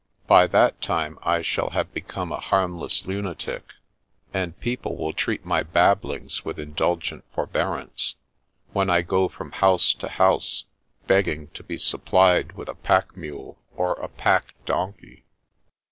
By that time I shall have become a harmless lunatic, and people will treat my babblings with indulgent forbearance, when I go from house to house beg ging to be supplied with a pack mule or a pack donkey."